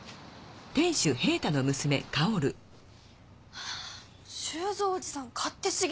ハァ修三おじさん勝手すぎ。